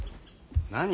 何？